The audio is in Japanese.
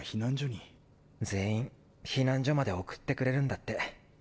全員避難所まで送ってくれるんだって。